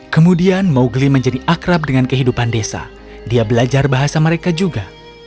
kemudian mowgli menjadi akrab dengan kehidupan desa dia belajar bahasa mereka juga